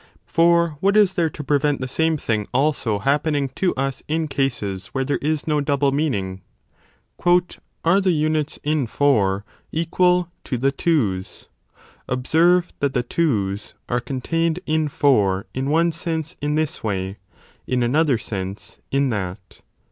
For what is there to prevent the same thing also happening to us in cases where there is no double meaning ? Are the units in four equal to the twos ? Observe that the 35 twos are contained in four in one sense in this way, in another sense in that.